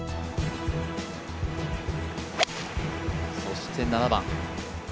そして７番。